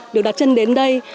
được đặt chân đến đây